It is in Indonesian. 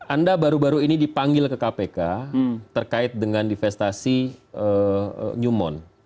anda baru baru ini dipanggil ke kpk terkait dengan divestasi newmont